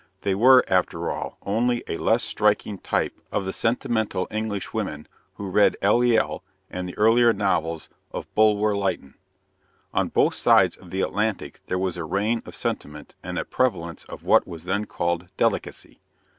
They were, after all, only a less striking type of the sentimental Englishwomen who read L. E. L. and the earlier novels of Bulwer Lytton. On both sides of the Atlantic there was a reign of sentiment and a prevalence of what was then called "delicacy."